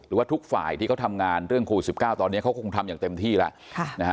หรือว่าทุกฝ่ายที่เขาทำงานเรื่องโควิด๑๙ตอนนี้เขาก็คงทำอย่างเต็มที่แล้ว